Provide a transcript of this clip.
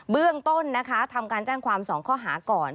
เบื้องต้นนะคะทำการแจ้งความ๒ข้อหาก่อน